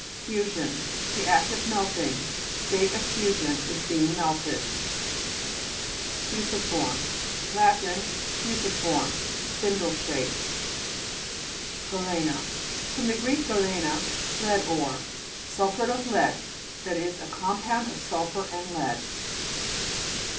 FUSION The act of melting ^ state of fusion, is being melted. FU'SIFORHE' Lat Fusimorm, spin dle shaped. GALE'XA fr. gr. galene, lead ore. Sulphuret of lead, that is a com pound of sulphur and lead.